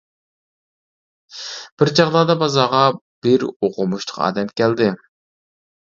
بىر چاغلاردا بازارغا بىر ئوقۇمۇشلۇق ئادەم كەلدى.